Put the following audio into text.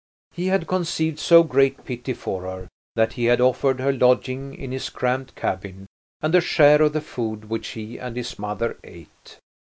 He had conceived so great pity for her that he had offered her lodging in his cramped cabin and a share of the food which he and his mother ate.